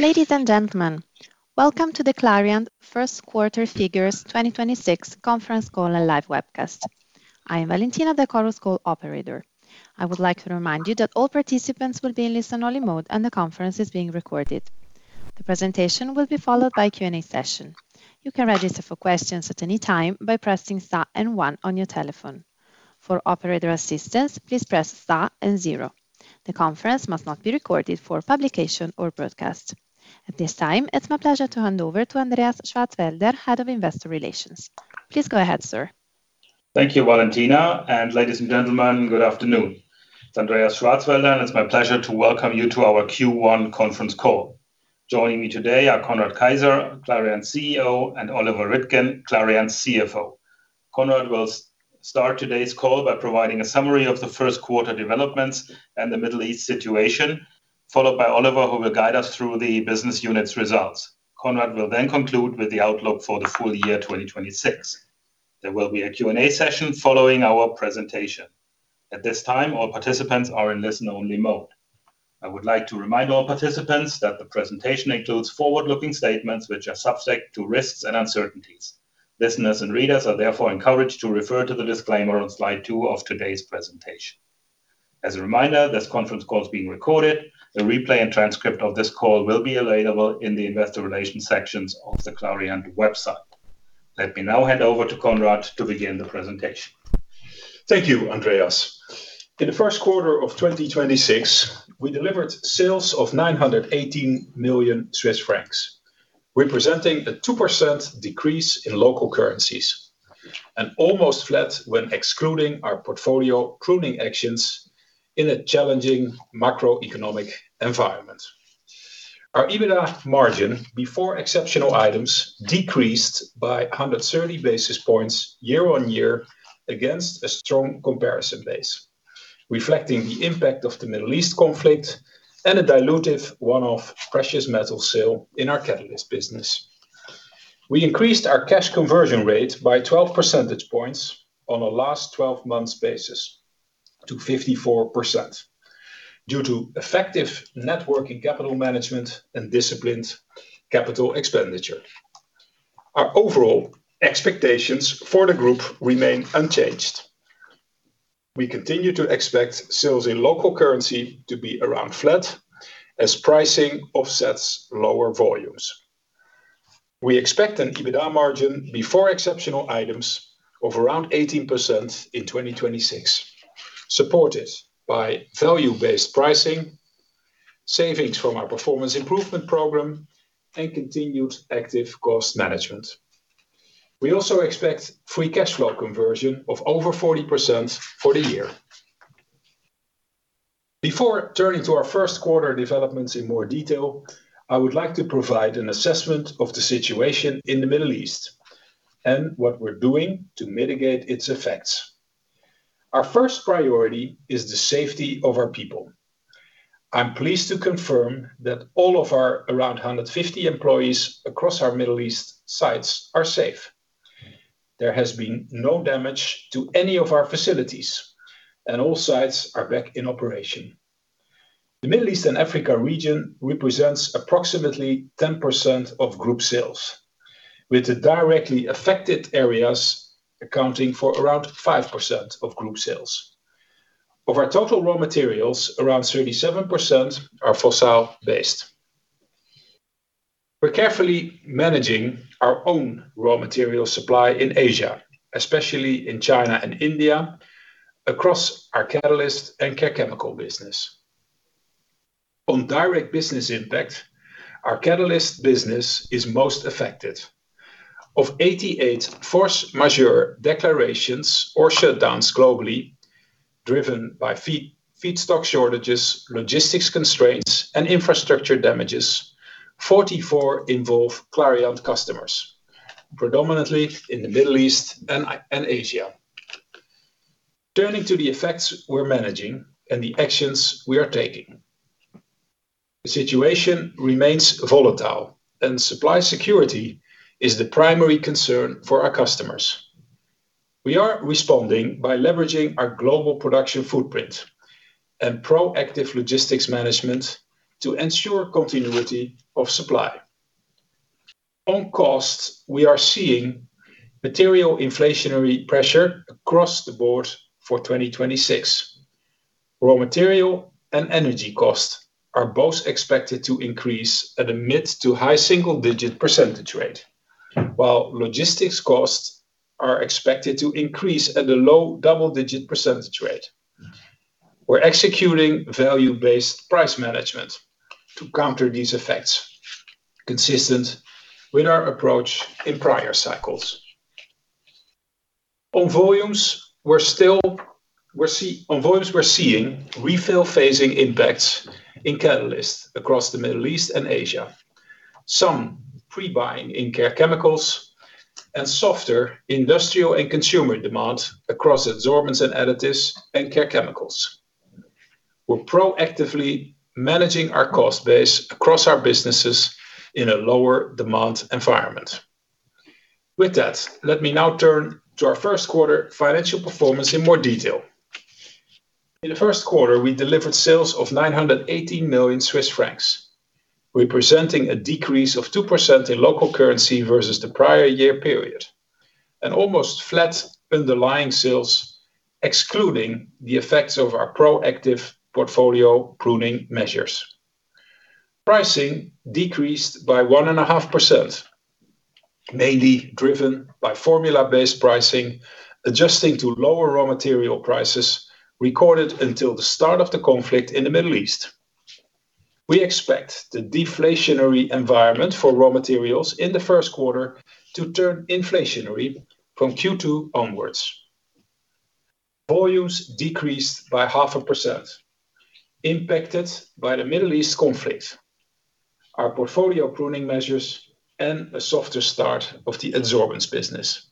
Ladies and gentlemen, welcome to the Clariant First Quarter Figures 2026 conference call and live webcast. I am Valentina, the chorus call operator. I would like to remind you that all participants will be in listen-only mode, and the conference is being recorded. The presentation will be followed by a Q&A session. You can register for questions at any time by pressing star and one on your telephone. For operator assistance, please press star and zero. The conference must not be recorded for publication or broadcast. At this time, it's my pleasure to hand over to Andreas Schwarzwälder, Head of Investor Relations. Please go ahead, sir. Thank you, Valentina. Ladies and gentlemen, good afternoon. It's Andreas Schwarzwälder, and it's my pleasure to welcome you to our Q1 conference call. Joining me today are Conrad Keijzer, Clariant CEO, and Oliver Rittgen, Clariant CFO. Conrad will start today's call by providing a summary of the first quarter developments and the Middle East situation, followed by Oliver, who will guide us through the business unit's results. Conrad will conclude with the outlook for the full year 2026. There will be a Q&A session following our presentation. At this time, all participants are in listen-only mode. I would like to remind all participants that the presentation includes forward-looking statements which are subject to risks and uncertainties. Listeners and readers are therefore encouraged to refer to the disclaimer on slide two of today's presentation. As a reminder, this conference call is being recorded. A replay and transcript of this call will be available in the Investor Relations sections of the Clariant website. Let me now hand over to Conrad to begin the presentation. Thank you, Andreas. In the first quarter of 2026, we delivered sales of 918 million Swiss francs, representing a 2% decrease in local currencies, and almost flat when excluding our portfolio pruning actions in a challenging macroeconomic environment. Our EBITDA margin, before exceptional items, decreased by 130 basis points year-on-year against a strong comparison base, reflecting the impact of the Middle East conflict and a dilutive one-off precious metal sale in our Catalysts business. We increased our cash conversion rate by 12 percentage points on a last 12 months basis to 54% due to effective net working capital management and disciplined capital expenditure. Our overall expectations for the group remain unchanged. We continue to expect sales in local currency to be around flat as pricing offsets lower volumes. We expect an EBITDA margin before exceptional items of around 18% in 2026, supported by value-based pricing, savings from our performance improvement program, and continued active cost management. We also expect free cash flow conversion of over 40% for the year. Before turning to our first quarter developments in more detail, I would like to provide an assessment of the situation in the Middle East and what we're doing to mitigate its effects. Our first priority is the safety of our people. I'm pleased to confirm that all of our around 150 employees across our Middle East sites are safe. There has been no damage to any of our facilities, and all sites are back in operation. The Middle East and Africa region represents approximately 10% of group sales, with the directly affected areas accounting for around 5% of group sales. Of our total raw materials, around 37% are fossil-based. We're carefully managing our own raw material supply in Asia, especially in China and India, across our Catalysts and Care Chemicals business. On direct business impact, our Catalysts business is most affected. Of 88 force majeure declarations or shutdowns globally, driven by feed, feedstock shortages, logistics constraints, and infrastructure damages, 44 involve Clariant customers, predominantly in the Middle East and Asia. Turning to the effects we're managing and the actions we are taking. The situation remains volatile, and supply security is the primary concern for our customers. We are responding by leveraging our global production footprint and proactive logistics management to ensure continuity of supply. On costs, we are seeing material inflationary pressure across the board for 2026. Raw material and energy costs are both expected to increase at a mid to high single-digit percentage rate, while logistics costs are expected to increase at a low double-digit percentage rate. We're executing value-based price management to counter these effects, consistent with our approach in prior cycles. On volumes, we're seeing refill phasing impacts in Catalysts across the Middle East and Asia, some pre-buying in Care Chemicals, and softer industrial and consumer demand across Adsorbents & Additives and Care Chemicals. We're proactively managing our cost base across our businesses in a lower demand environment. With that, let me now turn to our first quarter financial performance in more detail. In the first quarter, we delivered sales of 980 million Swiss francs, representing a decrease of 2% in local currency versus the prior year period and almost flat underlying sales, excluding the effects of our proactive portfolio pruning measures. Pricing decreased by 1.5%, mainly driven by formula-based pricing, adjusting to lower raw material prices recorded until the start of the conflict in the Middle East. We expect the deflationary environment for raw materials in the first quarter to turn inflationary from Q2 onwards. Volumes decreased by 0.5%, impacted by the Middle East conflict, our portfolio pruning measures, and a softer start of the Adsorbents business.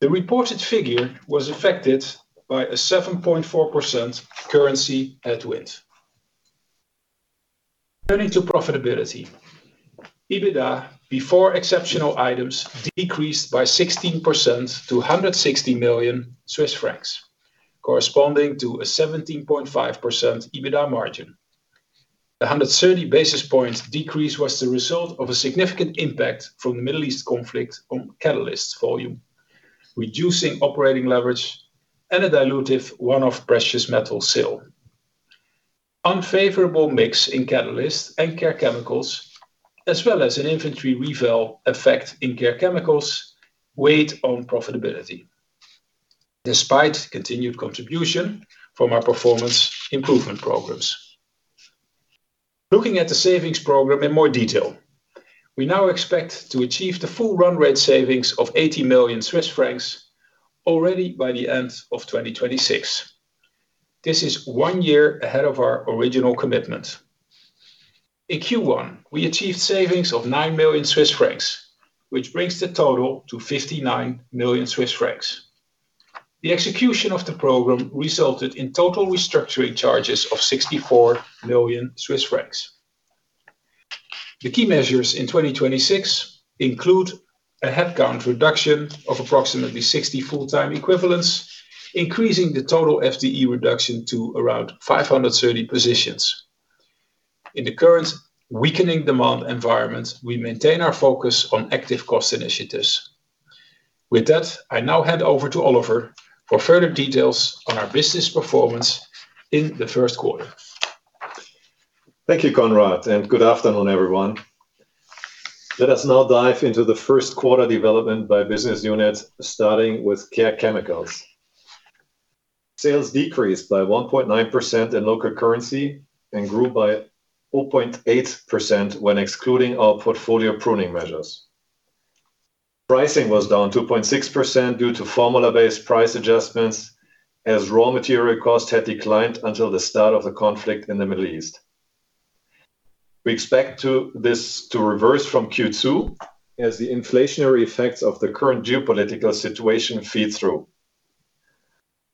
The reported figure was affected by a 7.4% currency headwind. Turning to profitability, EBITDA, before exceptional items, decreased by 16% to 160 million Swiss francs, corresponding to a 17.5% EBITDA margin. The 130 basis points decrease was the result of a significant impact from the Middle East conflict on Catalysts volume, reducing operating leverage and a dilutive one-off precious metal sale. Unfavorable mix in Catalysts and Care Chemicals, as well as an inventory revaluation effect in Care Chemicals weighed on profitability, despite continued contribution from our performance improvement programs. Looking at the savings program in more detail, we now expect to achieve the full run rate savings of 80 million Swiss francs already by the end of 2026. This is one year ahead of our original commitment. In Q1, we achieved savings of 9 million Swiss francs, which brings the total to 59 million Swiss francs. The execution of the program resulted in total restructuring charges of 64 million Swiss francs. The key measures in 2026 include a headcount reduction of approximately 60 FTE, increasing the total FTE reduction to around 530 positions. In the current weakening demand environment, we maintain our focus on active cost initiatives. With that, I now hand over to Oliver for further details on our business performance in the first quarter. Thank you, Conrad, and good afternoon, everyone. Let us now dive into the first quarter development by business unit, starting with Care Chemicals. Sales decreased by 1.9% in local currency and grew by 4.8% when excluding our portfolio pruning measures. Pricing was down 2.6% due to formula-based price adjustments as raw material costs had declined until the start of the conflict in the Middle East. We expect this to reverse from Q2 as the inflationary effects of the current geopolitical situation feed through.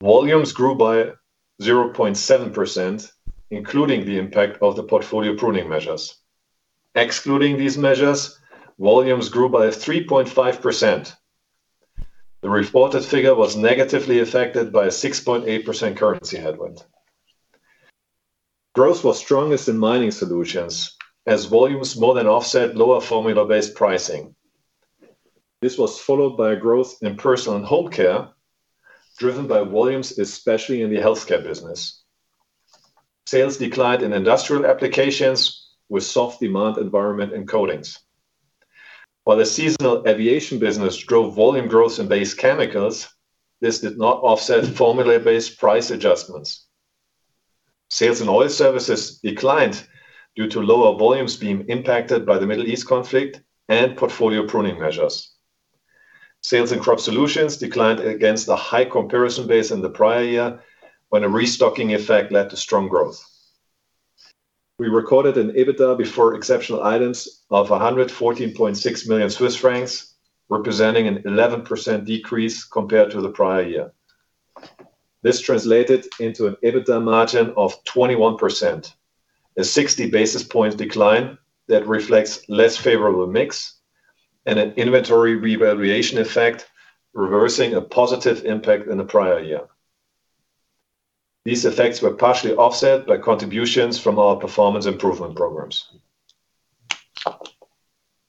Volumes grew by 0.7%, including the impact of the portfolio pruning measures. Excluding these measures, volumes grew by 3.5%. The reported figure was negatively affected by a 6.8% currency headwind. Growth was strongest in Mining Solutions as volumes more than offset lower formula-based pricing. This was followed by a growth in Personal and Home Care, driven by volumes, especially in the healthcare business. Sales declined in industrial applications with soft demand environment and coatings. While the seasonal aviation business drove volume growth in base chemicals, this did not offset formula-based price adjustments. Sales and Oil Services declined due to lower volumes being impacted by the Middle East conflict and portfolio pruning measures. Sales in Crop Solutions declined against a high comparison base in the prior year when a restocking effect led to strong growth. We recorded an EBITDA before exceptional items of 114.6 million Swiss francs, representing an 11% decrease compared to the prior year. This translated into an EBITDA margin of 21%. A 60 basis points decline that reflects less favorable mix and an inventory revaluation effect, reversing a positive impact in the prior year. These effects were partially offset by contributions from our performance improvement programs.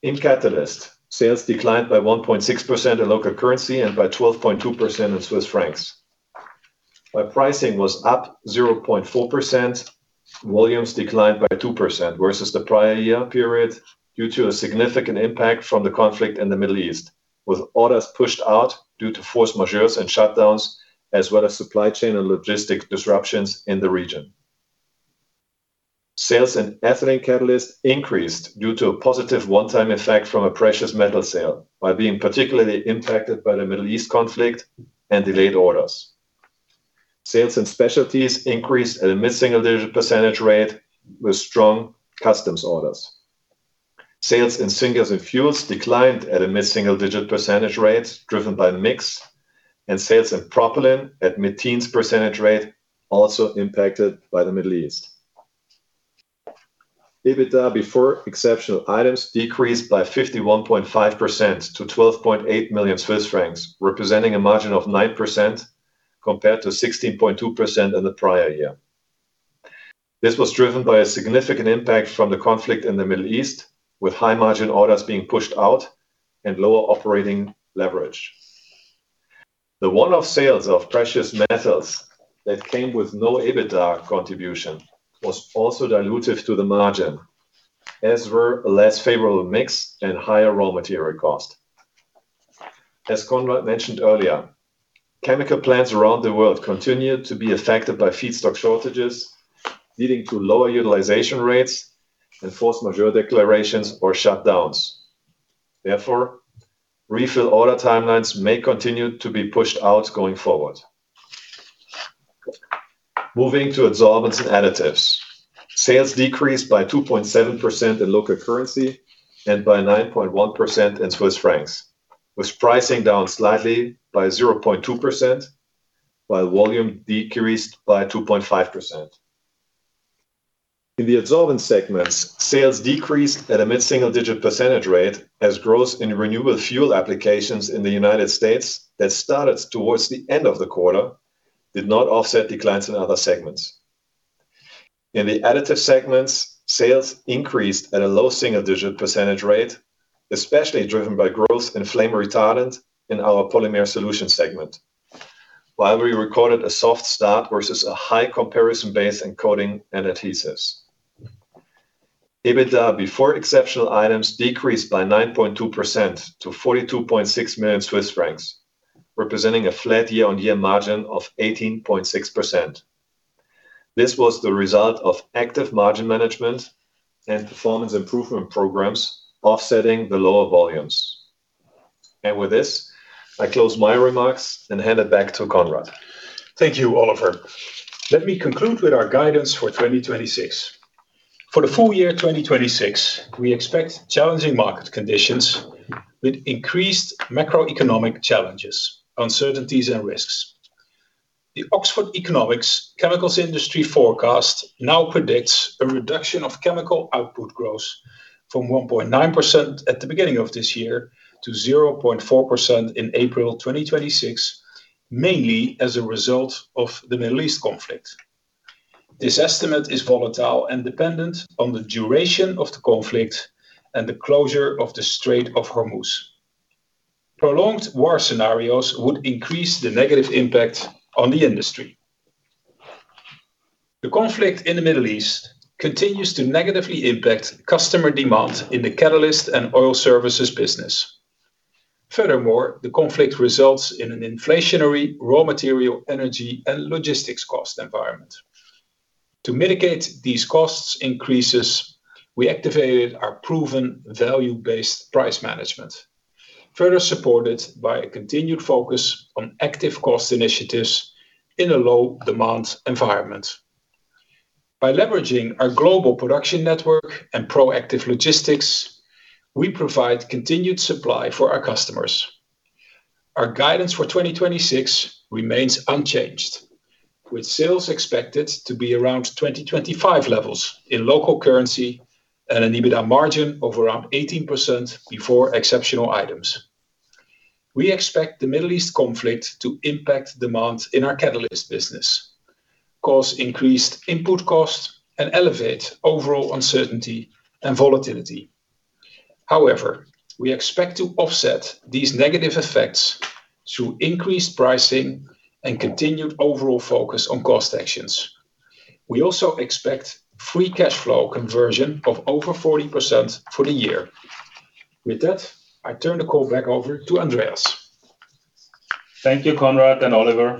In Catalysts, sales declined by 1.6% in local currency and by 12.2% in CHF. While pricing was up 0.4%, volumes declined by 2% versus the prior year period due to a significant impact from the conflict in the Middle East, with orders pushed out due to force majeures and shutdowns, as well as supply chain and logistics disruptions in the region. Sales in ethylene catalyst increased due to a positive one-time effect from a precious metal sale, while being particularly impacted by the Middle East conflict and delayed orders. Sales in specialties increased at a mid-single-digit percentage rate with strong custom orders. Sales in syngas and fuels declined at a mid-single-digit percentage rate driven by mix and sales in propylene at mid-teens percentage rate, also impacted by the Middle East. EBITDA before exceptional items decreased by 51.5% to 12.8 million Swiss francs, representing a margin of 9% compared to 16.2% in the prior year. This was driven by a significant impact from the conflict in the Middle East, with high-margin orders being pushed out and lower operating leverage. The one-off sales of precious metals that came with no EBITDA contribution was also dilutive to the margin, as were a less favorable mix and higher raw material cost. As Conrad mentioned earlier, chemical plants around the world continue to be affected by feedstock shortages, leading to lower utilization rates and force majeure declarations or shutdowns. Therefore, refill order timelines may continue to be pushed out going forward. Moving to Adsorbents & Additives. Sales decreased by 2.7% in local currency and by 9.1% in CHF, with pricing down slightly by 0.2%, while volume decreased by 2.5%. In the Adsorbents segments, sales decreased at a mid-single digit percentage rate as growth in renewable fuel applications in the U.S. that started towards the end of the quarter did not offset declines in other segments. In the additive segments, sales increased at a low single-digit percentage rate, especially driven by growth in flame retardant in our Polymer Solutions segment. While we recorded a soft start versus a high comparison base in Coatings & Adhesives. EBITDA before exceptional items decreased by 9.2% to 42.6 million Swiss francs, representing a flat year-on-year margin of 18.6%. This was the result of active margin management and performance improvement programs offsetting the lower volumes. With this, I close my remarks and hand it back to Conrad. Thank you, Oliver. Let me conclude with our guidance for 2026. For the full year 2026, we expect challenging market conditions with increased macroeconomic challenges, uncertainties, and risks. The Oxford Economics chemicals industry forecast now predicts a reduction of chemical output growth from 1.9% at the beginning of this year to 0.4% in April 2026, mainly as a result of the Middle East conflict. This estimate is volatile and dependent on the duration of the conflict and the closure of the Strait of Hormuz. Prolonged war scenarios would increase the negative impact on the industry. The conflict in the Middle East continues to negatively impact customer demand in the Catalysts and Oil Services business. Furthermore, the conflict results in an inflationary raw material, energy, and logistics cost environment. To mitigate these costs increases, we activated our proven value-based price management, further supported by a continued focus on active cost initiatives in a low demand environment. By leveraging our global production network and proactive logistics, we provide continued supply for our customers. Our guidance for 2026 remains unchanged, with sales expected to be around 2025 levels in local currency and an EBITDA margin of around 18% before exceptional items. We expect the Middle East conflict to impact demand in our Catalysts business, cause increased input costs, and elevate overall uncertainty and volatility. We expect to offset these negative effects through increased pricing and continued overall focus on cost actions. We also expect free cash flow conversion of over 40% for the year. With that, I turn the call back over to Andreas. Thank you, Conrad and Oliver.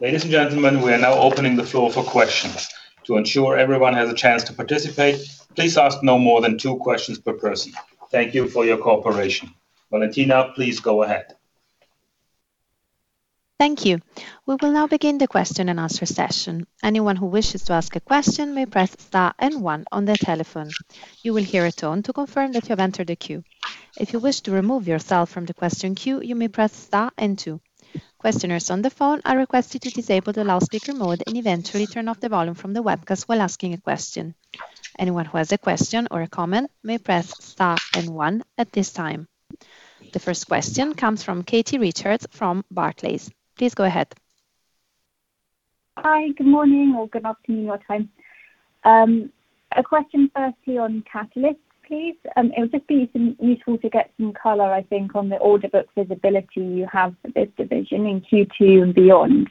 Ladies and gentlemen, we are now opening the floor for questions. To ensure everyone has a chance to participate, please ask no more than two questions per person. Thank you for your cooperation. Valentina, please go ahead. Thank you. We will now begin the question and answer session. Anyone who wishes to ask a question may press star and one on their telephone. You will hear a tone to confirm that you have entered the queue. If you wish to remove yourself from the question queue, you may press star and two. Questioners on the phone are requested to disable the loudspeaker mode and eventually turn off the volume from the webcast while asking a question. Anyone who has a question or a comment may press star and one at this time. The first question comes from Kate Stewart from Barclays. Please go ahead. Hi, good morning or good afternoon your time. A question firstly on Catalysts, please. It would just be useful to get some color, I think, on the order book visibility you have for this division in Q2 and beyond.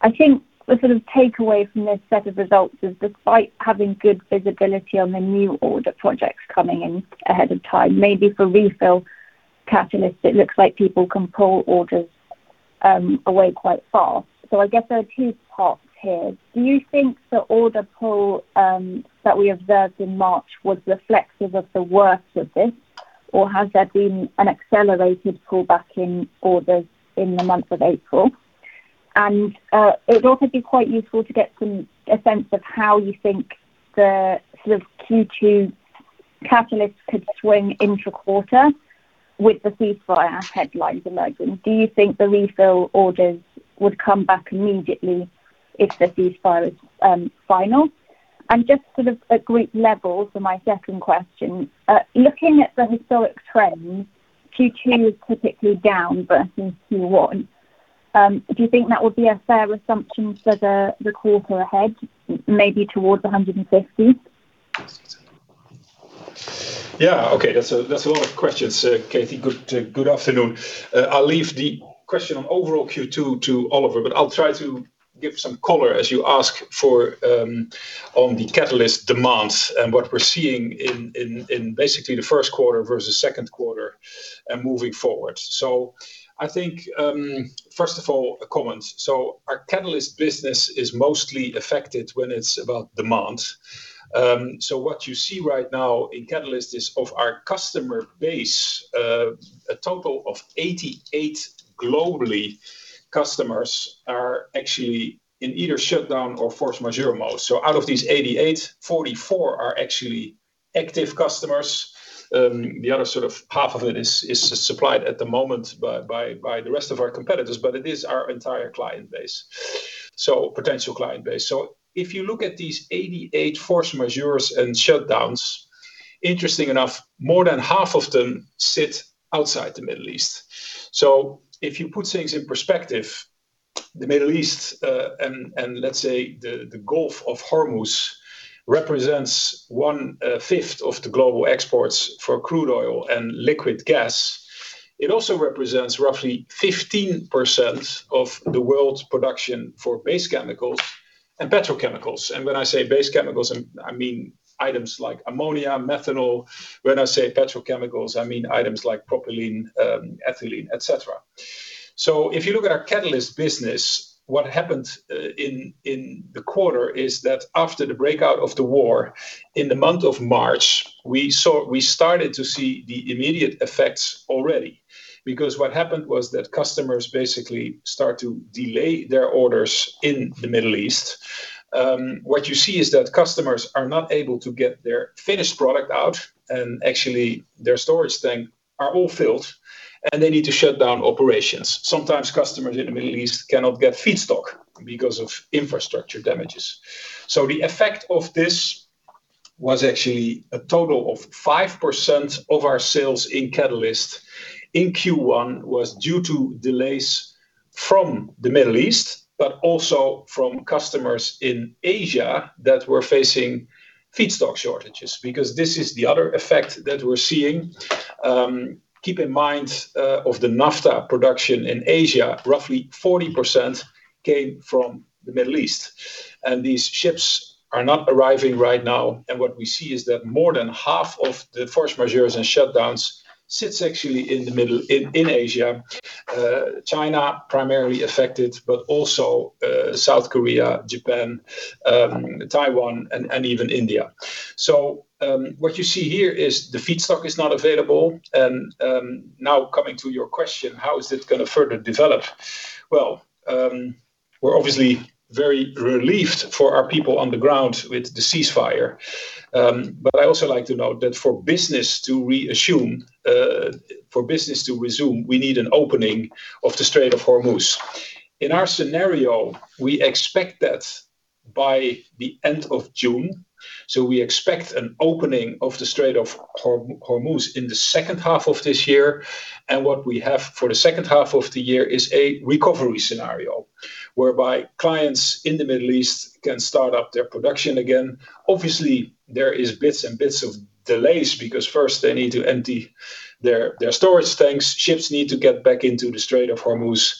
I think the sort of takeaway from this set of results is despite having good visibility on the new order projects coming in ahead of time, maybe for refill catalysts, it looks like people can pull orders away quite fast. I guess there are two parts here. Do you think the order pull that we observed in March was reflexive of the worst of this, or has there been an accelerated pullback in orders in the month of April? It would also be quite useful to get a sense of how you think the Q2 Catalysts could swing intra-quarter with the ceasefire headlines emerging. Do you think the refill orders would come back immediately if the ceasefire is final? Just sort of at group level, for my second question, looking at the historic trends, Q2 is typically down versus Q1. Do you think that would be a fair assumption for the quarter ahead, maybe towards 150? Okay. That's a lot of questions, Kate. Good afternoon. I'll leave the question on overall Q2 to Oliver Rittgen, but I'll try to give some color as you ask for on the Catalysts demands and what we're seeing in basically the first quarter versus second quarter and moving forward. I think, first of all, a comment. Our Catalysts business is mostly affected when it's about demand. What you see right now in Catalysts is of our customer base, a total of 88 globally customers are actually in either shutdown or force majeure mode. Out of these 88, 44 are actually active customers. The other sort of half of it is supplied at the moment by the rest of our competitors, but it is our entire client base, so potential client base. If you look at these 88 force majeurs and shutdowns, interesting enough, more than half of them sit outside the Middle East. If you put things in perspective, the Middle East, and let's say the Strait of Hormuz represents one fifth of the global exports for crude oil and liquid gas. It also represents roughly 15% of the world's production for base chemicals and petrochemicals. When I say base chemicals, I mean items like ammonia, methanol. When I say petrochemicals, I mean items like propylene, ethylene, et cetera. If you look at our Catalysts business, what happened in the quarter is that after the breakout of the war, in the month of March, we started to see the immediate effects already because what happened was that customers basically start to delay their orders in the Middle East. What you see is that customers are not able to get their finished product out, and actually their storage tank are all filled, and they need to shut down operations. Sometimes customers in the Middle East cannot get feedstock because of infrastructure damages. The effect of this was actually a total of 5% of our sales in Catalysts in Q1 was due to delays from the Middle East, but also from customers in Asia that were facing feedstock shortages, because this is the other effect that we're seeing. Keep in mind, of the naphtha production in Asia, roughly 40% came from the Middle East, these ships are not arriving right now. What we see is that more than half of the force majeure and shutdowns sits actually in the middle in Asia. China primarily affected, also South Korea, Japan, Taiwan and even India. What you see here is the feedstock is not available. Now coming to your question, how is it gonna further develop? Well, we're obviously very relieved for our people on the ground with the ceasefire. But I also like to note that for business to resume, we need an opening of the Strait of Hormuz. In our scenario, we expect that by the end of June. We expect an opening of the Strait of Hormuz in the second half of this year. What we have for the second half of the year is a recovery scenario whereby clients in the Middle East can start up their production again. Obviously, there is bits and bits of delays because first they need to empty their storage tanks. Ships need to get back into the Strait of Hormuz.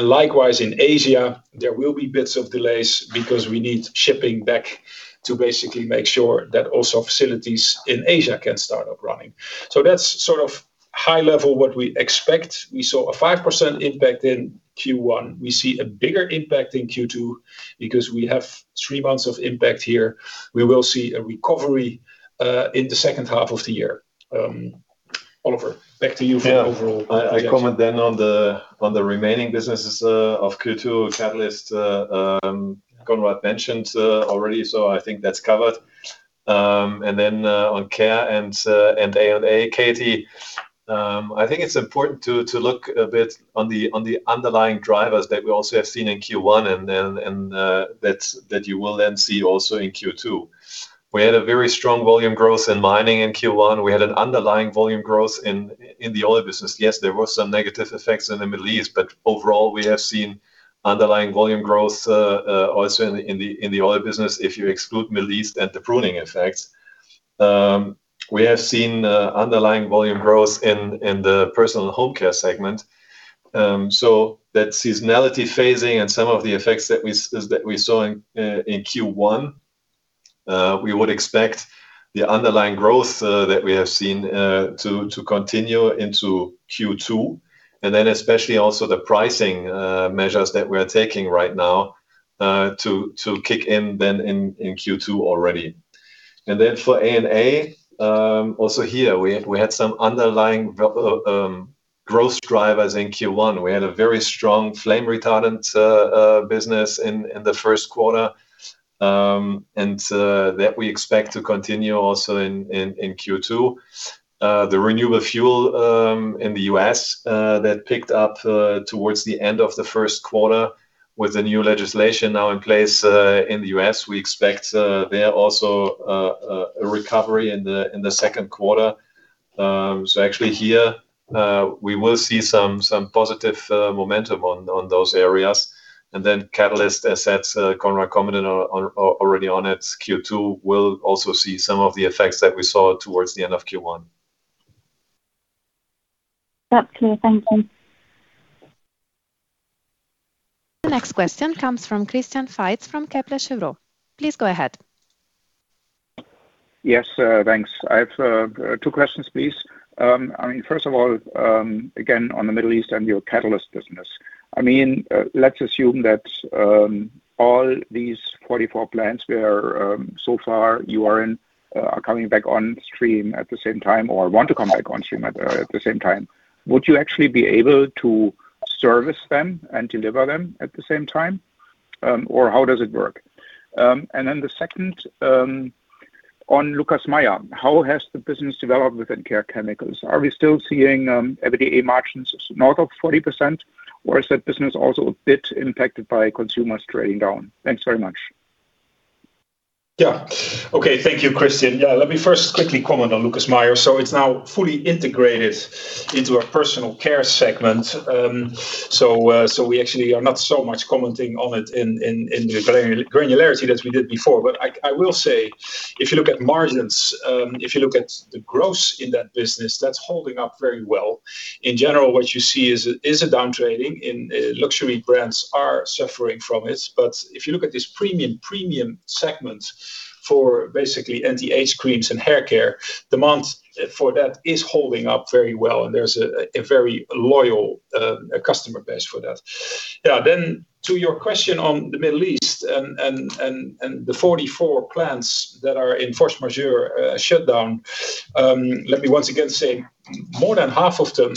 Likewise, in Asia, there will be bits of delays because we need shipping back to basically make sure that also facilities in Asia can start up running. That's sort of high level what we expect. We saw a 5% impact in Q1. We see a bigger impact in Q2 because we have three months of impact here. We will see a recovery in the second half of the year. Oliver, back to you for the overall projection. I comment on the remaining businesses of Q2. Catalysts, Conrad mentioned already, I think that's covered. On Care Chemicals and A&A, Kate, I think it's important to look a bit on the underlying drivers that we also have seen in Q1 that you will see also in Q2. We had a very strong volume growth in Mining Solutions in Q1. We had an underlying volume growth in the Oil Services. Yes, there were some negative effects in the Middle East, overall, we have seen underlying volume growth also in the Oil Services if you exclude Middle East and the pruning effects. We have seen underlying volume growth in the Personal and Home Care segment. That seasonality phasing and some of the effects that we saw in Q1, we would expect the underlying growth that we have seen to continue into Q2 and then especially also the pricing measures that we're taking right now to kick in in Q2 already. For A&A, also here we had some underlying. Growth drivers in Q1. We had a very strong flame retardant business in the first quarter. That we expect to continue also in Q2. The renewable fuel in the U.S. that picked up towards the end of the first quarter. With the new legislation now in place in the U.S., we expect there also a recovery in the second quarter. Actually here, we will see some positive momentum on those areas. Catalyst assets Conrad commented already on it. Q2 will also see some of the effects that we saw towards the end of Q1. That's clear. Thank you. The next question comes from Christian Faitz from Kepler Cheuvreux. Please go ahead. Yes, thanks. I have two questions please. I mean, first of all, again, on the Middle East and your Catalysts business. I mean, let's assume that all these 44 plants where so far you are in, are coming back on stream at the same time, or want to come back on stream at the same time. Would you actually be able to service them and deliver them at the same time? How does it work? The second, on Lucas Meyer, how has the business developed within Care Chemicals? Are we still seeing EBITDA margins north of 40%, or is that business also a bit impacted by consumers trading down? Thanks very much. Okay, thank you, Christian. Let me first quickly comment on Lucas Meyer. It's now fully integrated into our Personal and Home Care segment. We actually are not so much commenting on it in granularity as we did before. I will say if you look at margins, if you look at the growth in that business, that's holding up very well. In general, what you see is a downtrading, and luxury brands are suffering from it. If you look at this premium segment for basically anti-age creams and haircare, demand for that is holding up very well, and there's a very loyal customer base for that. To your question on the Middle East and the 44 plants that are in force majeure shutdown, let me once again say more than half of them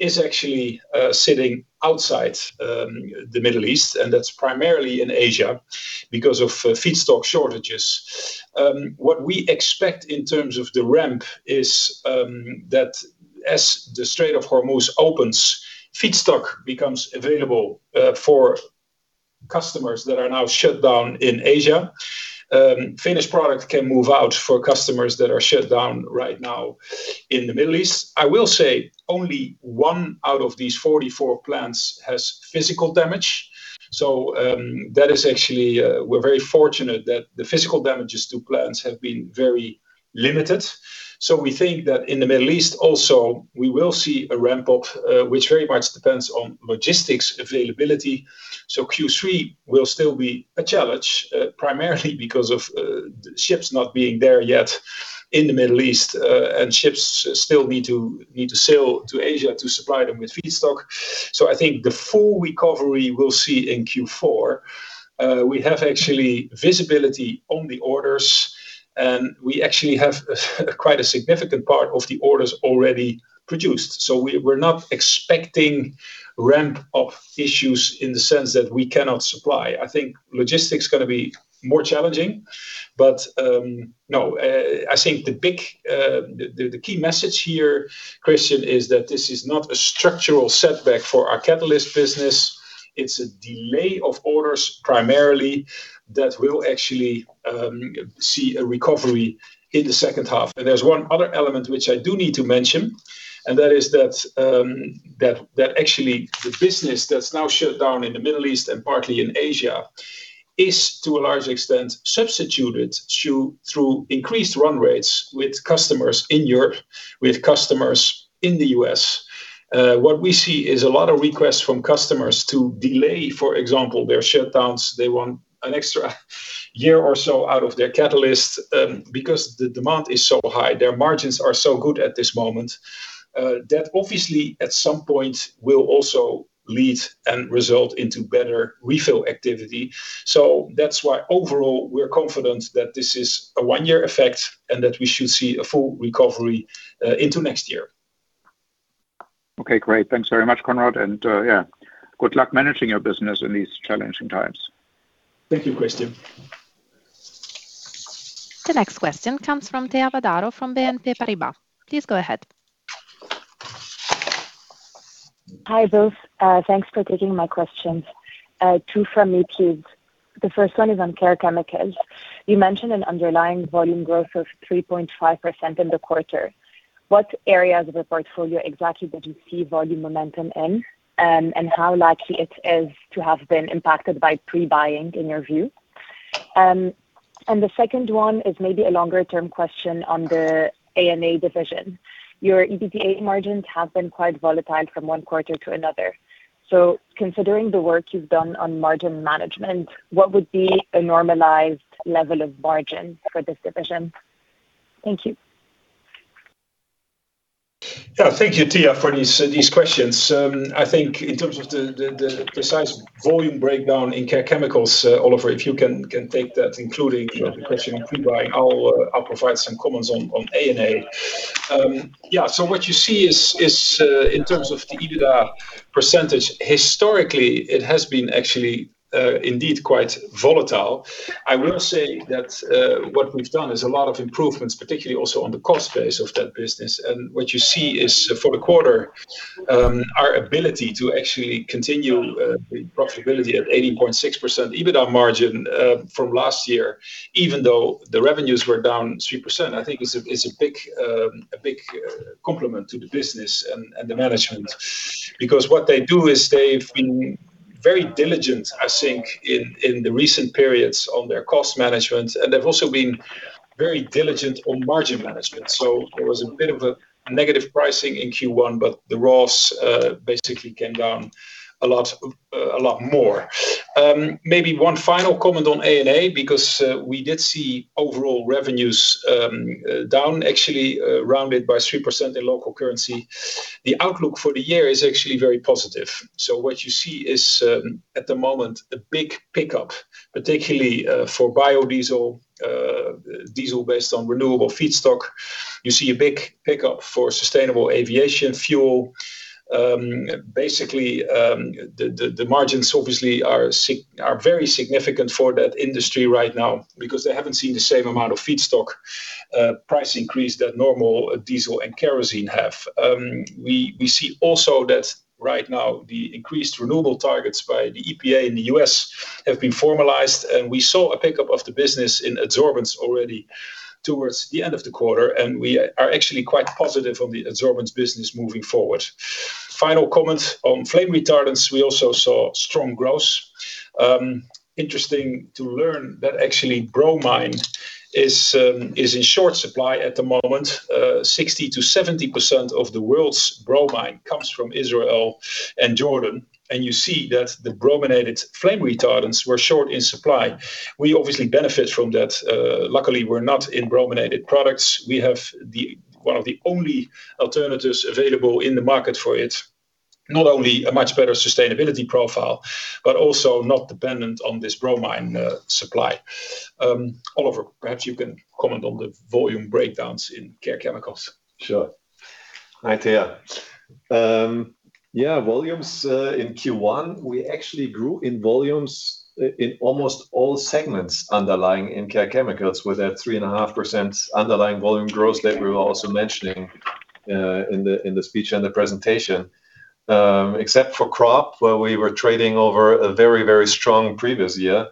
is actually sitting outside the Middle East, and that's primarily in Asia because of feedstock shortages. What we expect in terms of the ramp is that as the Strait of Hormuz opens, feedstock becomes available for customers that are now shut down in Asia. Finished product can move out for customers that are shut down right now in the Middle East. I will say only one out of these 44 plants has physical damage. That is actually, we're very fortunate that the physical damages to plants have been very limited. We think that in the Middle East also, we will see a ramp-up, which very much depends on logistics availability. Q3 will still be a challenge, primarily because of ships not being there yet in the Middle East. And ships still need to sail to Asia to supply them with feedstock. I think the full recovery we'll see in Q4. We have actually visibility on the orders, and we actually have a quite a significant part of the orders already produced. We're not expecting ramp-up issues in the sense that we cannot supply. I think logistics gonna be more challenging. No, I think the big, the key message here, Christian, is that this is not a structural setback for our Catalysts business. It's a delay of orders primarily that will actually see a recovery in the second half. There's one other element which I do need to mention, and that is that actually the business that's now shut down in the Middle East and partly in Asia is to a large extent substituted through increased run rates with customers in Europe, with customers in the U.S. What we see is a lot of requests from customers to delay, for example, their shutdowns. They want an extra year or so out of their catalyst because the demand is so high. Their margins are so good at this moment that obviously at some point will also lead and result into better refill activity. That's why overall we're confident that this is a one-year effect and that we should see a full recovery, into next year. Okay, great. Thanks very much, Conrad. Yeah, good luck managing your business in these challenging times. Thank you, Christian. The next question comes from Thea Badaro from BNP Paribas. Please go ahead. Hi both. Thanks for taking my questions. Two from me, please. The first one is on Care Chemicals. You mentioned an underlying volume growth of 3.5% in the quarter. What areas of your portfolio exactly did you see volume momentum in? How likely it is to have been impacted by pre-buying in your view? The second one is maybe a longer term question on the A&A division. Your EBITDA margins have been quite volatile from 1 quarter to another. Considering the work you've done on margin management, what would be a normalized level of margin for this division? Thank you. Yeah, thank you Thea, for these questions. I think in terms of the precise volume breakdown in Care Chemicals, Oliver, if you can take that. Sure You know, the question on pre-buying. I'll provide some comments on A&A. Yeah, so what you see is in terms of the EBITDA percentage, historically it has been actually indeed quite volatile. I will say that what we've done is a lot of improvements, particularly also on the cost base of that business. What you see is for the quarter, our ability to actually continue profitability at 18.6% EBITDA margin from last year, even though the revenues were down 3%, I think is a big, a big compliment to the business and the management. What they do is they've been very diligent, I think, in the recent periods on their cost management, and they've also been very diligent on margin management. There was a bit of a negative pricing in Q1, but the raws basically came down a lot, a lot more. Maybe one final comment on A&A, because we did see overall revenues down actually, rounded by 3% in local currency. The outlook for the year is actually very positive. What you see is, at the moment, a big pickup, particularly for biodiesel, diesel based on renewable feedstock. You see a big pickup for sustainable aviation fuel. Basically, the margins obviously are very significant for that industry right now because they haven't seen the same amount of feedstock price increase that normal diesel and kerosene have. We see also that right now the increased renewable targets by the EPA in the U.S. have been formalized. We saw a pickup of the business in Adsorbents already towards the end of the quarter. We are actually quite positive on the Adsorbents business moving forward. Final comment on flame retardants, we also saw strong growth. Interesting to learn that actually bromine is in short supply at the moment. 60%-70% of the world's bromine comes from Israel and Jordan. You see that the brominated flame retardants were short in supply. We obviously benefit from that. Luckily we're not in brominated products. We have one of the only alternatives available in the market for it, not only a much better sustainability profile, but also not dependent on this bromine supply. Oliver, perhaps you can comment on the volume breakdowns in Care Chemicals? Sure. Hi, Thea. Volumes in Q1, we actually grew in volumes in almost all segments underlying in Care Chemicals with that 3.5% underlying volume growth that we were also mentioning in the speech and the presentation. Except for crop, where we were trading over a very strong previous year,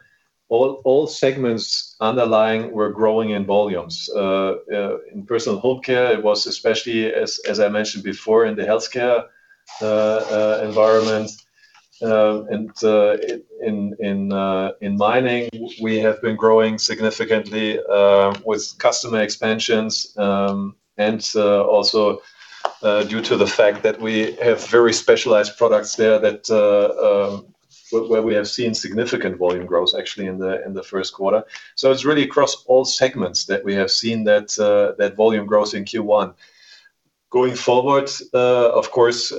all segments underlying were growing in volumes. In personal home care it was especially as I mentioned before, in the healthcare environment. And in mining we have been growing significantly with customer expansions and also due to the fact that we have very specialized products there that where we have seen significant volume growth actually in the first quarter. It's really across all segments that we have seen that volume growth in Q1. Going forward, of course,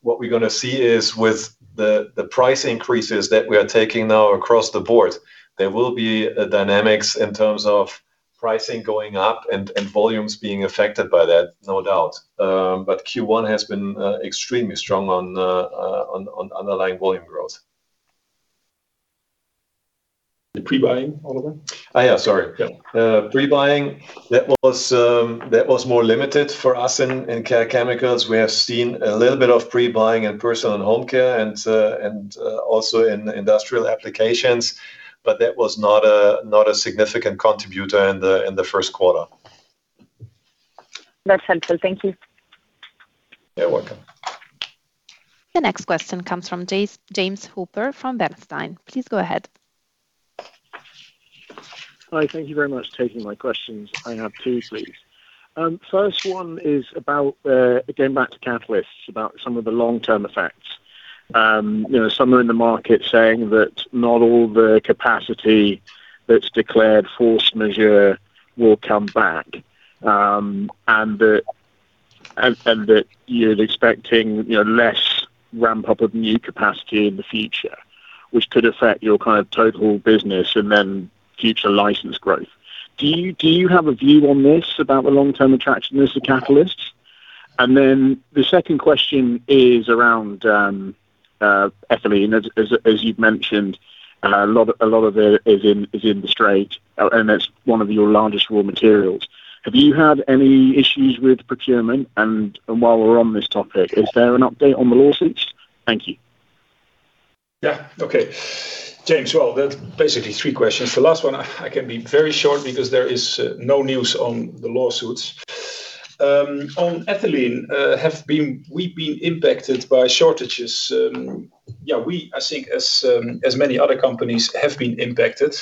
what we're gonna see is with the price increases that we are taking now across the board, there will be a dynamics in terms of pricing going up and volumes being affected by that, no doubt. Q1 has been extremely strong on underlying volume growth. The pre-buying, Oliver? Yeah, sorry. Yeah. Pre-buying, that was more limited for us in Care Chemicals. We have seen a little bit of pre-buying in Personal and Home Care and also in industrial applications, but that was not a significant contributor in the first quarter. That's helpful. Thank you. You're welcome. The next question comes from James Hooper from Bernstein. Please go ahead. Hi. Thank you very much for taking my questions. I have two, please. First one is about going back to Catalysts, about some of the long-term effects. You know, some are in the market saying that not all the capacity that's declared force majeure will come back, and that you're expecting, you know, less ramp up of new capacity in the future, which could affect your kind of total business and then future license growth. Do you have a view on this, about the long-term attractiveness of Catalysts? The second question is around ethylene. As you've mentioned, a lot of it is in the Strait, and that's one of your largest raw materials. Have you had any issues with procurement? While we're on this topic, is there an update on the lawsuits? Thank you. James, that's basically three questions. The last one I can be very short because there is no news on the lawsuits. On Ethylene, we've been impacted by shortages. We, I think as many other companies have been impacted.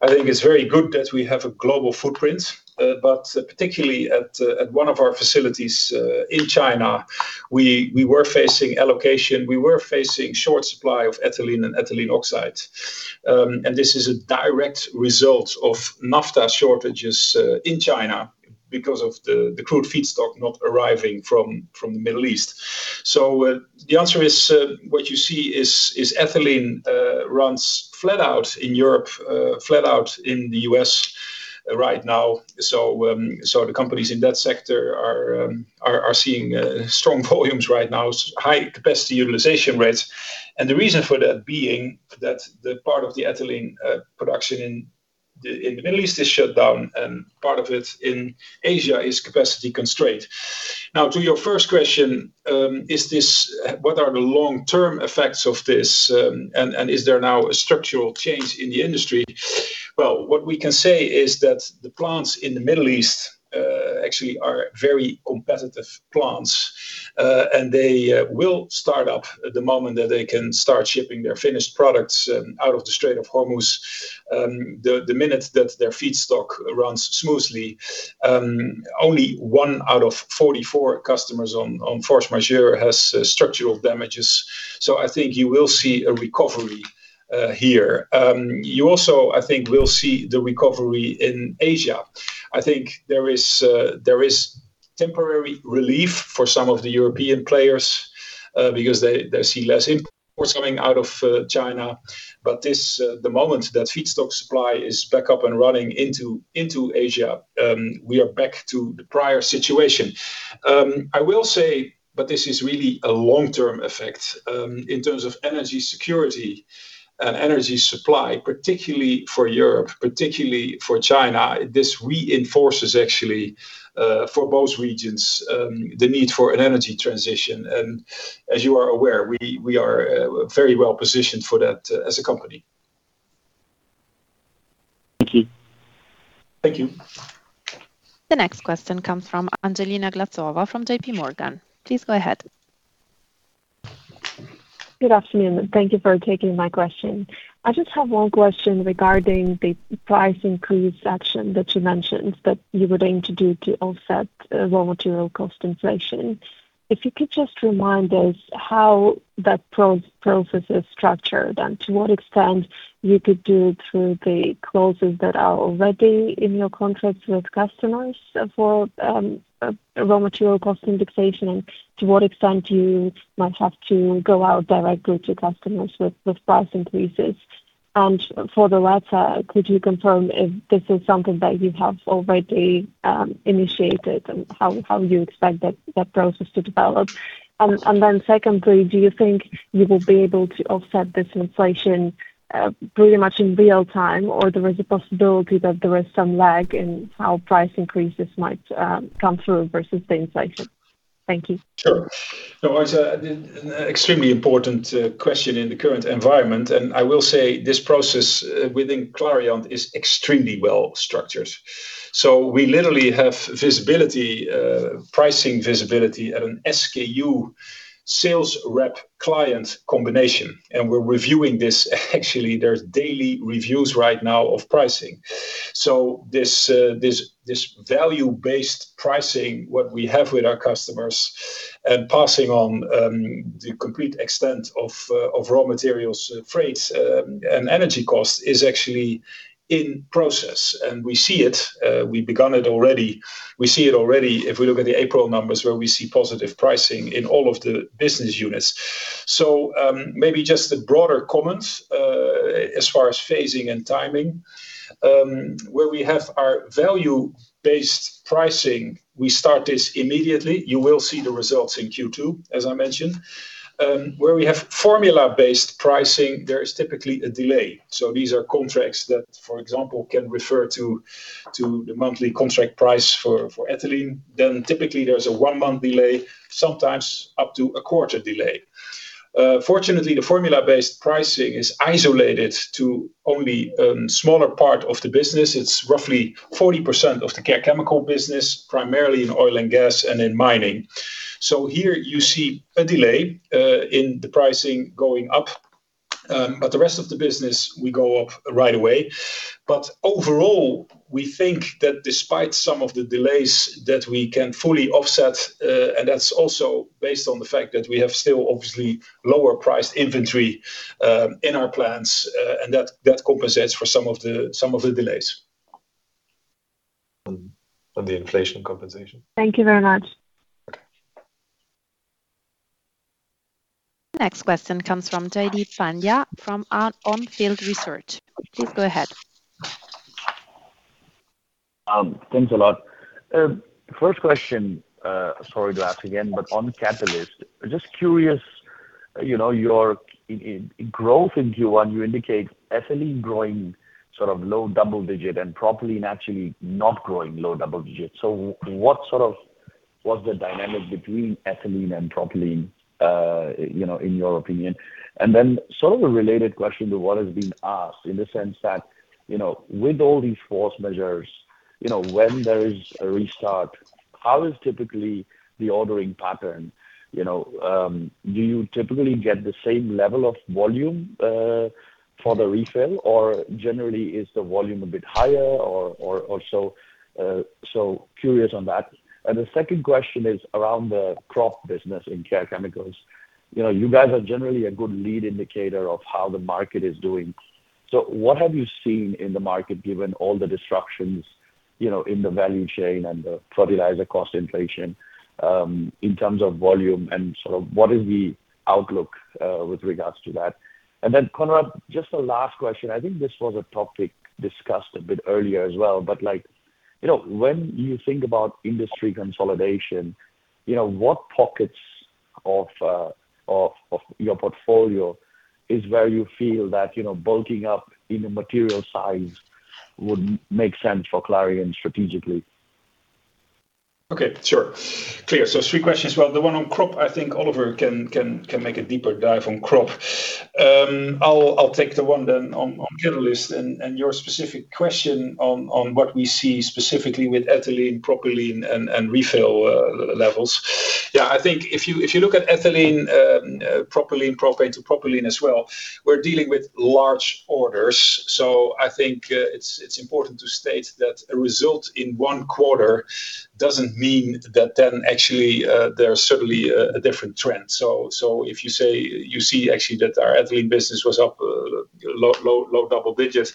I think it's very good that we have a global footprint. Particularly at one of our facilities in China. We were facing allocation, we were facing short supply of Ethylene and Ethylene oxide. This is a direct result of Naphtha shortages in China because of the crude feedstock not arriving from the Middle East. The answer is what you see is Ethylene runs flat out in Europe, flat out in the U.S. right now. The companies in that sector are seeing strong volumes right now, high capacity utilization rates. The reason for that being that the part of the ethylene production in the Middle East is shut down, and part of it in Asia is capacity constraint. Now, to your first question, what are the long-term effects of this, and is there now a structural change in the industry? Well, what we can say is that the plants in the Middle East actually are very competitive plants. They will start up the moment that they can start shipping their finished products out of the Strait of Hormuz, the minute that their feedstock runs smoothly. Only 1 out of 44 customers on force majeure has structural damages, so I think you will see a recovery here. You also, I think, will see the recovery in Asia. I think there is temporary relief for some of the European players because they see less imports coming out of China. The moment that feedstock supply is back up and running into Asia, we are back to the prior situation. I will say. This is really a long-term effect in terms of energy security and energy supply, particularly for Europe, particularly for China. This reinforces actually for both regions the need for an energy transition. As you are aware, we are very well positioned for that as a company. Thank you. Thank you. The next question comes from Angelina Glazova from J.P. Morgan. Please go ahead. Good afternoon. Thank you for taking my question. I just have one question regarding the price increase action that you mentioned that you would aim to do to offset raw material cost inflation. If you could just remind us how that process is structured, and to what extent you could do it through the clauses that are already in your contracts with customers for raw material cost indexation, and to what extent you might have to go out directly to customers with price increases. For the latter, could you confirm if this is something that you have already initiated, and how you expect that process to develop? Secondly, do you think you will be able to offset this inflation pretty much in real time? There is a possibility that there is some lag in how price increases might come through versus the inflation? Thank you. Sure. No, it's an extremely important question in the current environment. I will say this process within Clariant is extremely well structured. We literally have visibility, pricing visibility at an SKU sales rep client combination. We are reviewing this. Actually, there are daily reviews right now of pricing. This value-based pricing, what we have with our customers, and passing on the complete extent of raw materials, freights, and energy costs is actually in process. We see it. We have begun it already. We see it already if we look at the April numbers where we see positive pricing in all of the business units. Maybe just a broader comment as far as phasing and timing. Where we have our value-based pricing, we start this immediately. You will see the results in Q2, as I mentioned. Where we have formula-based pricing, there is typically a delay. These are contracts that, for example, can refer to the monthly contract price for ethylene. Typically there's a one month delay, sometimes up to a quarter delay. Fortunately, the formula-based pricing is isolated to only smaller part of the business. It's roughly 40% of the Care Chemicals business, primarily in Oil Services and in Mining Solutions. Here you see a delay in the pricing going up. The rest of the business, we go up right away. Overall, we think that despite some of the delays that we can fully offset, and that's also based on the fact that we have still obviously lower priced inventory in our plans. That compensates for some of the delays on the inflation compensation. Thank you very much. Next question comes from Jaideep Pandya from On Field Investment Research. Please go ahead. Thanks a lot. First question, sorry to ask again, on Catalysts. Just curious, you know, your growth in Q1, you indicate ethylene growing sort of low double digit and propylene actually not growing low double digit. What, sort of, was the dynamic between ethylene and propylene, you know, in your opinion? Then sort of a related question to what has been asked in the sense that, you know, with all these force majeure, you know, when there is a restart, how is typically the ordering pattern, you know? Do you typically get the same level of volume for the refill, or generally is the volume a bit higher or so, curious on that. The second question is around the crop business in Care Chemicals. You know, you guys are generally a good lead indicator of how the market is doing. What have you seen in the market given all the disruptions, you know, in the value chain and the fertilizer cost inflation, in terms of volume, and sort of what is the outlook with regards to that? Conrad, just a last question. I think this was a topic discussed a bit earlier as well, but like, you know, when you think about industry consolidation, you know, what pockets of your portfolio is where you feel that, you know, bulking up in a material size would make sense for Clariant strategically? Okay. Sure. Clear. Three questions. The one on crop, I think Oliver can make a deeper dive on crop. I'll take the one then on Catalysts and your specific question on what we see specifically with ethylene, propylene and refill levels. I think if you look at ethylene, propylene, propane to propylene as well, we're dealing with large orders, so I think it's important to state that a result in 1 quarter doesn't mean that then actually there's certainly a different trend. If you say you see actually that our ethylene business was up low double digits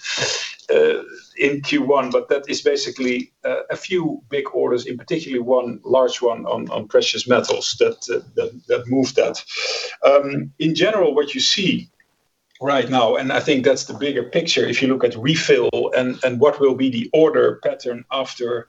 in Q1, but that is basically a few big orders, in particularly one large one on precious metals that moved that. In general, what you see right now, and I think that's the bigger picture, if you look at refill and what will be the order pattern after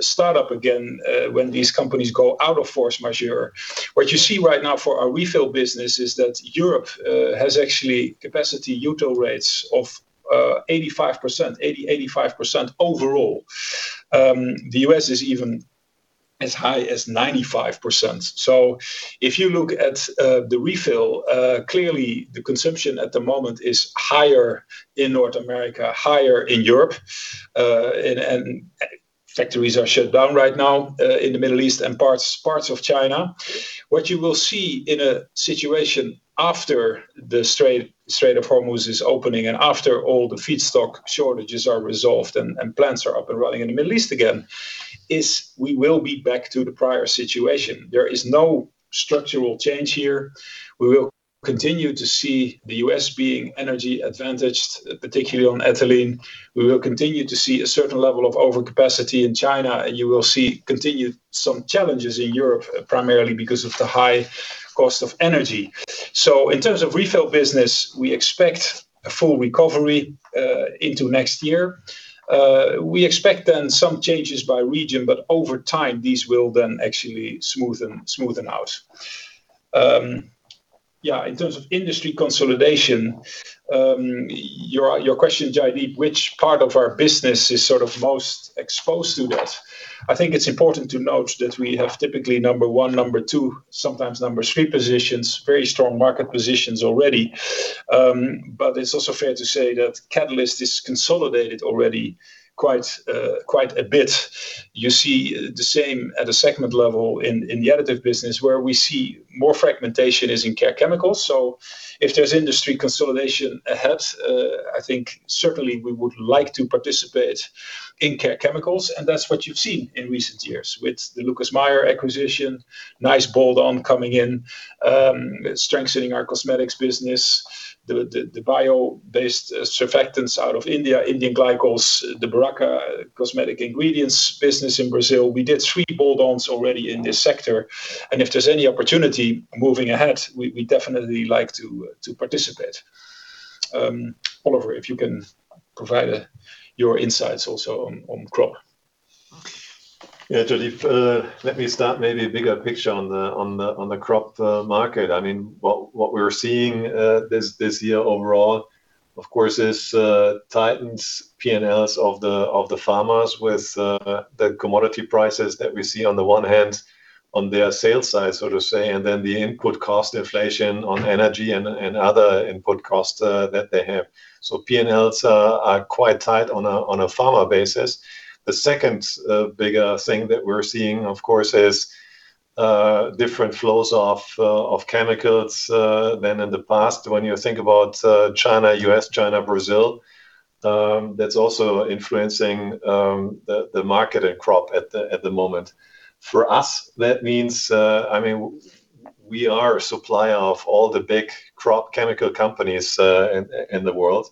startup again, when these companies go out of force majeure. What you see right now for our refill business is that Europe has actually capacity util rates of 85%, 80%, 85% overall. The U.S. is even as high as 95%. If you look at the refill, clearly the consumption at the moment is higher in North America, higher in Europe, and factories are shut down right now in the Middle East and parts of China. What you will see in a situation after the Strait of Hormuz is opening and after all the feedstock shortages are resolved and plants are up and running in the Middle East again, is we will be back to the prior situation. There is no structural change here. We will continue to see the U.S. being energy advantaged, particularly on ethylene. You will see continued some challenges in Europe, primarily because of the high cost of energy. In terms of refill business, we expect a full recovery into next year. Over time these will then actually smoothen out. Yeah, in terms of industry consolidation, your question, Jaideep, which part of our business is sort of most exposed to that? I think it's important to note that we have typically number one, number two, sometimes number three positions, very strong market positions already. It's also fair to say that Catalysts is consolidated already quite a bit. You see the same at a segment level in the additive business where we see more fragmentation is in Care Chemicals. If there's industry consolidation ahead, I think certainly we would like to participate in Care Chemicals, and that's what you've seen in recent years with the Lucas Meyer Cosmetics acquisition. Nice bolt-on coming in, strengthening our cosmetics business. The bio-based surfactants out of India Glycols, the Beraca cosmetic ingredients business in Brazil. We did three bolt-ons already in this sector, and if there's any opportunity moving ahead, we definitely like to participate. Oliver, if you can provide your insights also on crop? Yeah, Jaideep, let me start maybe a bigger picture on the crop market. I mean, what we're seeing this year overall, of course, is tightens P&Ls of the farmers with the commodity prices that we see on the one hand on their sales side, so to say, and then the input cost inflation on energy and other input costs that they have. P&Ls are quite tight on a farmer basis. The second bigger thing that we're seeing, of course, is different flows of chemicals than in the past. When you think about China, U.S., China, Brazil, that's also influencing the market and crop at the moment. For us, that means, I mean, we are a supplier of all the big crop chemical companies in the world.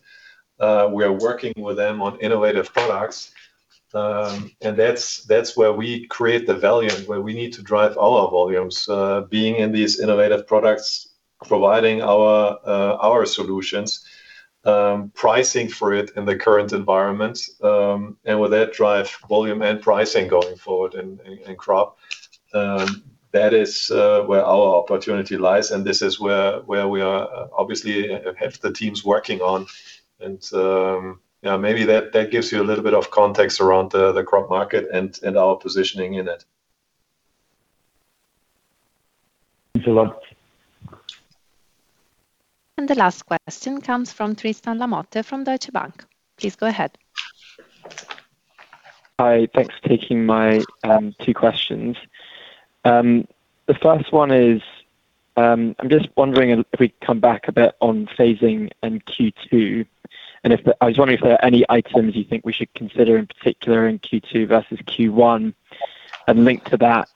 We are working with them on innovative products, and that's where we create the value and where we need to drive all our volumes, being in these innovative products, providing our solutions, pricing for it in the current environment, and with that drive volume and pricing going forward in crop. That is where our opportunity lies and this is where we are obviously have the teams working on. Maybe that gives you a little bit of context around the crop market and our positioning in it. Thanks a lot. The last question comes from Tristan Lamotte from Deutsche Bank. Please go ahead. Hi. Thanks for taking my two questions. The first one is, I'm just wondering if we come back a bit on phasing in Q2. I was wondering if there are any items you think we should consider in particular in Q2 versus Q1 and link to that,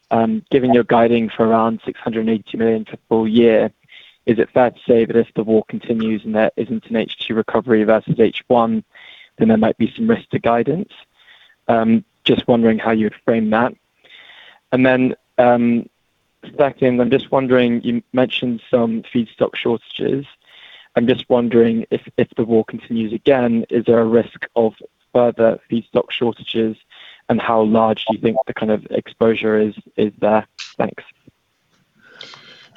given your guiding for around 680 million for the full year. Is it fair to say that if the war continues and there isn't an H2 recovery versus H1, then there might be some risk to guidance? Just wondering how you'd frame that. Second, I'm just wondering, you mentioned some feedstock shortages. I'm just wondering if the war continues again, is there a risk of further feedstock shortages, and how large do you think the kind of exposure is there? Thanks.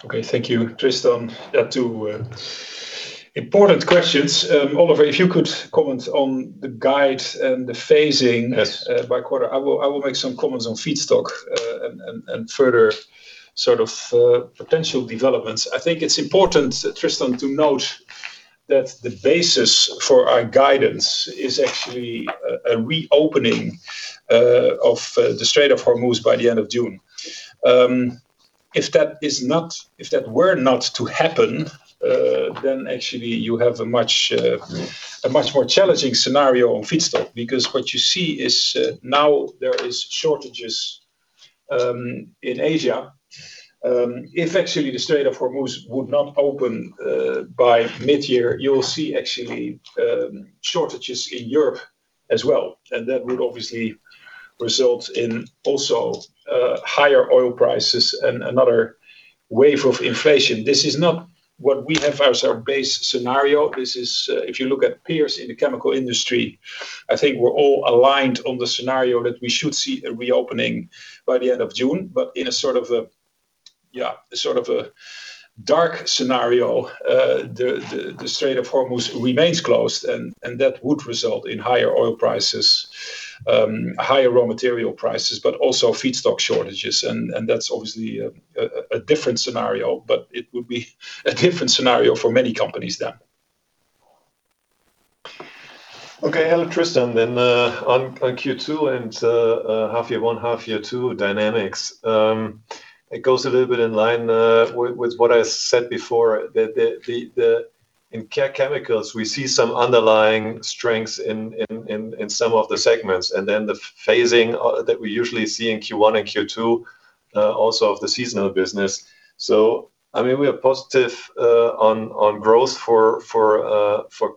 Okay. Thank you, Tristan. Yeah, two important questions. Oliver, if you could comment on the guide and the phasing. Yes by quarter. I will make some comments on feedstock and further sort of potential developments. I think it's important, Tristan, to note that the basis for our guidance is actually a reopening of the Strait of Hormuz by the end of June. If that were not to happen, actually you have a much more challenging scenario on feedstock because what you see is now there is shortages in Asia. If actually the Strait of Hormuz would not open by midyear, you will see actually shortages in Europe as well, that would obviously result in also higher oil prices and another wave of inflation. This is not what we have as our base scenario. This is, if you look at peers in the chemical industry, I think we're all aligned on the scenario that we should see a reopening by the end of June. In a sort of a, yeah, sort of a dark scenario, the Strait of Hormuz remains closed and that would result in higher oil prices, higher raw material prices, but also feedstock shortages. That's obviously a different scenario, but it would be a different scenario for many companies then. Hello, Tristan. On Q2 and half year one, half year two dynamics. It goes a little bit in line with what I said before, that in Care Chemicals, we see some underlying strengths in some of the segments, and the phasing that we usually see in Q1 and Q2 also of the seasonal business. I mean, we are positive on growth for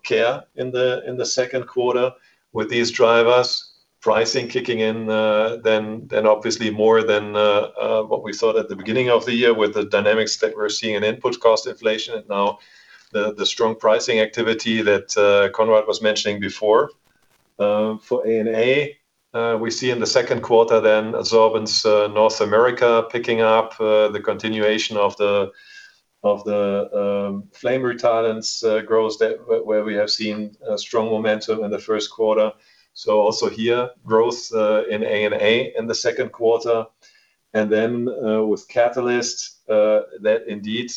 Care in the second quarter with these drivers. Pricing kicking in, obviously more than what we thought at the beginning of the year with the dynamics that we're seeing in input cost inflation and now the strong pricing activity that Conrad was mentioning before. For A&A, we see in the second quarter Adsorbents North America picking up, the continuation of the flame retardants growth where we have seen strong momentum in the first quarter. Also here, growth in A&A in the second quarter. With Catalyst, that indeed,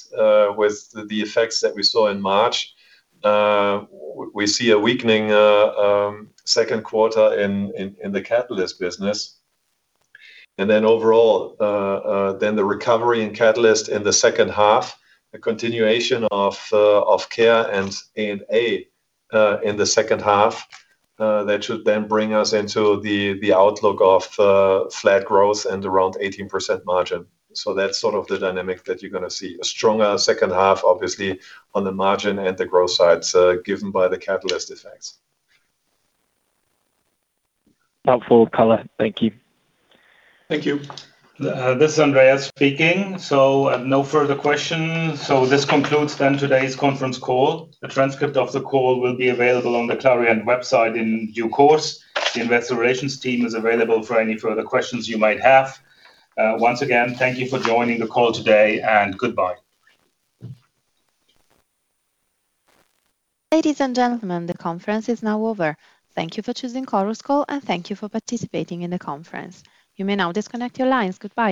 with the effects that we saw in March, we see a weakening second quarter in the Catalyst business. Overall, the recovery in Catalyst in the second half, a continuation of Care and A&A in the second half, that should bring us into the outlook of flat growth and around 18% margin. That's sort of the dynamic that you're gonna see. A stronger second half, obviously, on the margin and the growth sides, given by the Catalysts effects. Helpful color. Thank you. Thank you. This is Andreas speaking. No further questions. This concludes then today's conference call. A transcript of the call will be available on the Clariant website in due course. The investor relations team is available for any further questions you might have. Once again, thank you for joining the call today, and goodbye. Ladies and gentlemen, the conference is now over. Thank you for choosing Chorus Call, and thank you for participating in the conference. You may now disconnect your lines. Goodbye.